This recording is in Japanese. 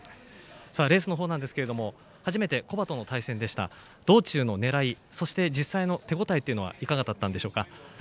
レースのほうなんですけど初めて古馬との対戦でした道中のねらいそして実際の手応えっていうのはいかがだったんでしょうか？